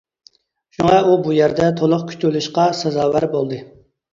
شۇڭا ئۇ بۇ يەردە تولۇق كۈتۈۋېلىشقا سازاۋەر بولدى.